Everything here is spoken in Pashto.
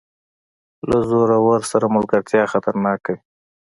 له زورور سره ملګرتیا خطرناکه وي.